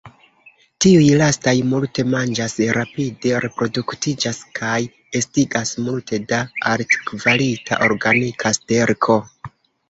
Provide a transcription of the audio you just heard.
Tiuj lastaj multe manĝas, rapide reproduktiĝas kaj estigas multe da altkvalita organika sterko.